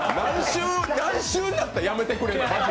来週になったらやめてくれ。